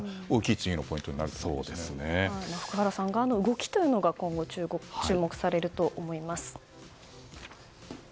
そこが、次の大きいポイントに福原さん側の動きが今後、注目されると思います。